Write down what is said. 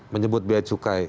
menyebut biaya cukai